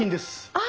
あ！